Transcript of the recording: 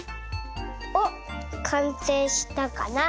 おっかんせいしたかな。